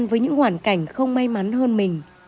với những hoàn cảnh không may mắn hơn mình